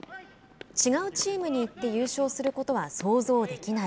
違うチームに行って優勝することは想像できない。